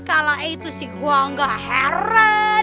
kalau itu sih gue gak heret